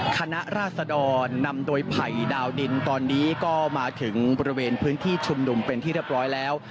คณะราษดรนำโดยไผ่ดาวดินตอนนี้ก็มาถึงบริเวณพื้นที่ชุมนุมเป็นที่เรียบร้อยแล้ว